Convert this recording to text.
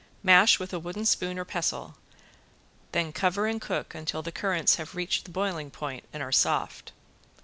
Mash with a wooden spoon or pestle, then cover and cook until the currants have reached the boiling point and are soft.